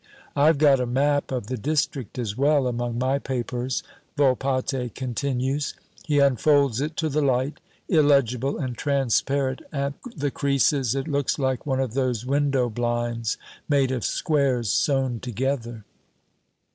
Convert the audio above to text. '' "I've got a map of the district as well, among my papers," Volpatte continues. He unfolds it to the light. Illegible and transparent at the creases, it looks like one of those window blinds made of squares sewn together.